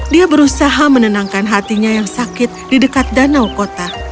dia berusaha menenangkan hatinya yang sakit di dekat danau kota